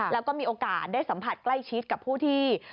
แล้วก็มีโอกาสได้สัมผัสใกล้ชิดกับผู้ที่